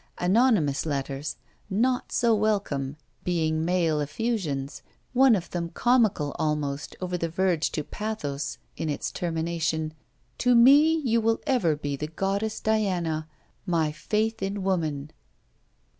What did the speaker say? Anonymous letters, not so welcome, being male effusions, arrived at her lodgings, one of them comical almost over the verge to pathos in its termination: 'To me you will ever be the Goddess Diana my faith in woman!'